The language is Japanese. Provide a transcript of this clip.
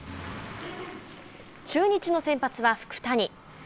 中日の先発は福谷。